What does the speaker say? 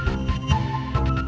saya akan cerita soal ini